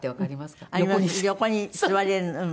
横に座れるうん。